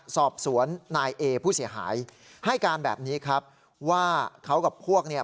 สอบสวนนายเอผู้เสียหายให้การแบบนี้ครับว่าเขากับพวกเนี่ย